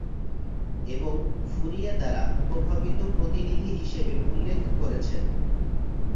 এবং ফুরিয়ে দ্বারা প্রভাবিত প্রতিনিধি হিসেবে উল্লেখ করেছেন।